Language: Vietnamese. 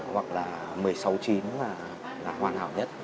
hoặc là một mươi sáu chín là hoàn hảo nhất